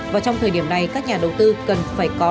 và trong thời điểm này các nhà đầu tư cần phải có